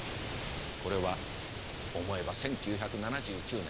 これは思えば１９７９年。